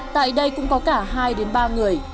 tại đây cũng có cả hai đến ba người